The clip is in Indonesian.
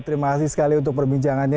terima kasih sekali untuk perbincangannya